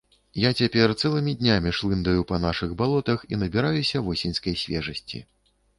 Я цяпер цэлымі днямі шлындаю па нашых балотах і набіраюся восеньскай свежасці.